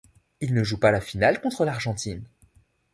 Il ne joue pas la finale contre l'Argentine.